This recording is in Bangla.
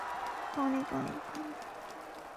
অনেক অনেক ভালো!